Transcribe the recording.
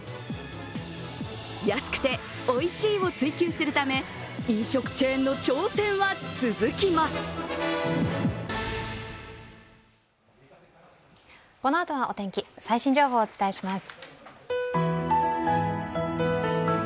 安くておいしいを追求するため飲食チェーンの挑戦は続きます。